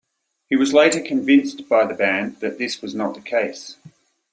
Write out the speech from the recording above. He was later convinced by the band that this was not the case.